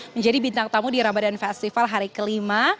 menjadi bintang tamu di ramadan festival hari kelima